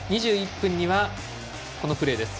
２１分には、このプレーです。